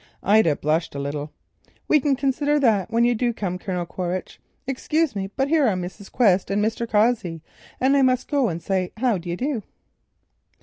Ida blushed a little. "We can consider that when you do come, Colonel Quaritch—excuse me, but here are Mrs. Quest and Mr. Cossey, and I must go and say how do you do."